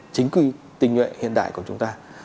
chính quy tình nguyện hiện đại của chúng ta